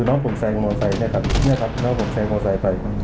น้องผมแซงมอเตอร์ไซค์ไป